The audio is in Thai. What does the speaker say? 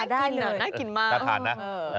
อ๋อน่ากินเหรอน่ากินมากถ้าทานนะ